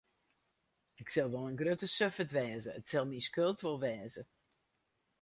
Ik sil wol in grutte suffert wêze, it sil myn skuld wol wêze.